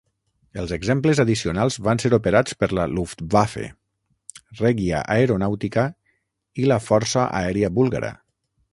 Els exemples addicionals van ser operats per la Luftwaffe, regia Aeronautica i la força aèria búlgara.